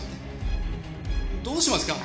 どうしますか？